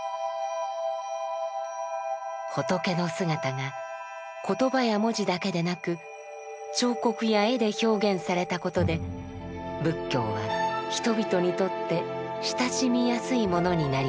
仏の姿が言葉や文字だけでなく彫刻や絵で表現されたことで仏教は人々にとって親しみやすいものになりました。